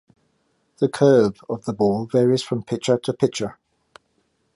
The "curve" of the ball varies from pitcher to pitcher.